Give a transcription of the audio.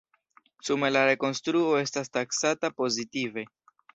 Sume la rekonstruo estas taksata pozitive.